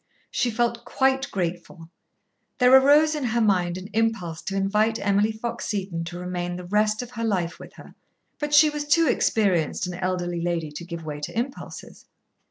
She felt quite grateful. There arose in her mind an impulse to invite Emily Fox Seton to remain the rest of her life with her, but she was too experienced an elderly lady to give way to impulses.